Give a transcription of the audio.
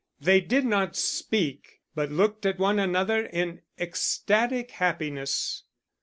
They did not speak, but looked at one another in ecstatic happiness.